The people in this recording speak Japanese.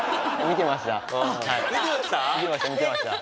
見てました。